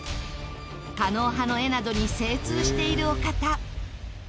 狩野派の絵などに精通しているお方。